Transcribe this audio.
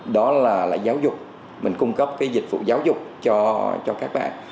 đó là giáo dục mình cung cấp cái dịch vụ giáo dục cho các bạn